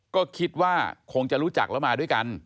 ก็คิดว่าคงจะรู้จักแล้วมาด้วยกัน